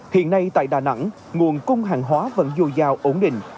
hiện nay tại đà nẵng nguồn cung hàng hóa vẫn dồi dào ổn định